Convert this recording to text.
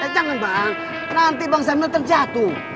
jangan bang nanti bang sandi terjatuh